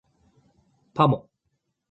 パモ